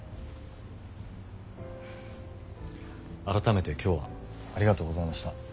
改めて今日はありがとうございました。